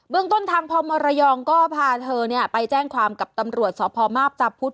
เมืองต้นทางพมระยองก็พาเธอไปแจ้งความกับตำรวจสพมาพตาพุธ